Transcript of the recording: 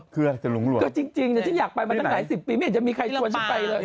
ก็จริงแต่ฉันอยากไปมาตั้งไหน๑๐ปีไม่อยากจะมีใครชวนฉันไปเลย